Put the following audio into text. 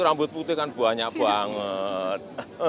rambut putih kan banyak banget